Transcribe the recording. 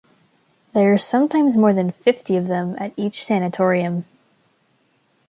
There are sometimes more than fifty of them at each sanatorium.